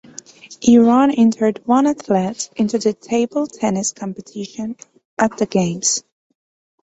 Iran entered one athlete into the table tennis competition at the Games.